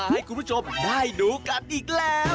ให้คุณผู้ชมได้ดูกันอีกแล้ว